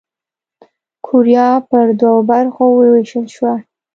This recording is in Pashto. کوریا پر دوو برخو ووېشل شوه.